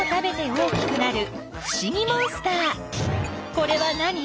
これは何？